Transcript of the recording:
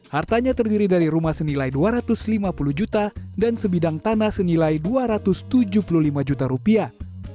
hartanya terdiri dari rumah senilai dua ratus lima puluh juta dan sebidang tanah senilai dua ratus tujuh puluh lima juta rupiah